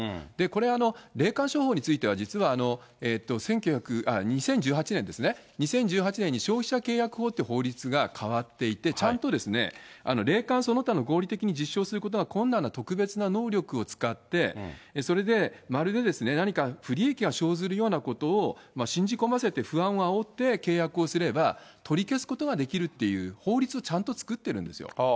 これ、霊感商法については、実は２０１８年ですね、２０１８年に消費者契約法っていう法律が変わっていて、ちゃんと、霊感その他の合理的に実証することが困難な特別な能力を使って、それでまるで、何か不利益が生ずるようなことを信じ込ませて不安をあおって契約をすれば取り消すことができるっていう法律をちゃんと作ってるんですよ。